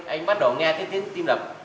anh bắt đầu nghe tiếng tim đập